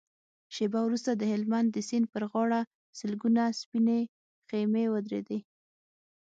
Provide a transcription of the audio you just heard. شېبه وروسته د هلمند د سيند پر غاړه سلګونه سپينې خيمې ودرېدې.